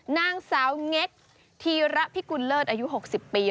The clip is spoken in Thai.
นางสาวเง็กธีระพิกุลเลิศอายุ๖๐ปี